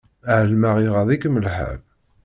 Ɛelmeɣ iɣaḍ-ikem lḥal.